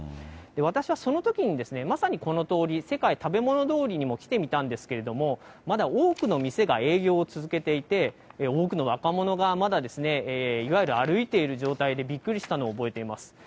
私はそのときに、まさにこの通り、世界食べ物通りにも来てみたんですけれども、まだ多くの店が営業を続けていて、多くの若者がまだ、いわゆる歩いている状態でびっくりしたのを覚えています。